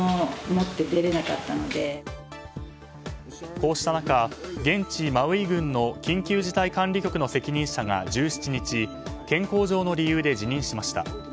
こうした中、現地マウイ郡の緊急事態管理局の責任者が１７日、健康上の理由で辞任しました。